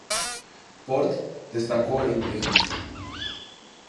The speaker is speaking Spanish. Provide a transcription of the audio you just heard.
Port destacó en The Hills.